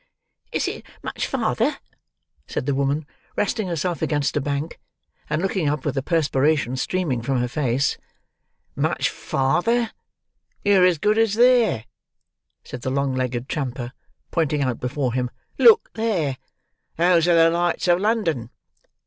"Is it much farther?" asked the woman, resting herself against a bank, and looking up with the perspiration streaming from her face. "Much farther! Yer as good as there," said the long legged tramper, pointing out before him. "Look there! Those are the lights of London."